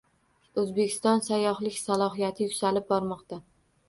O‘zbekiston sayyohlik salohiyati yuksalib bormoqda